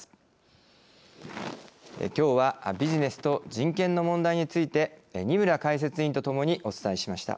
きょうはビジネスと人権の問題について二村解説委員とともにお伝えしました。